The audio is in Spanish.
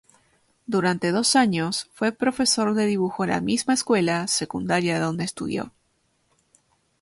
Durante dos años fue profesor de dibujo en la misma escuela secundaria, donde estudió.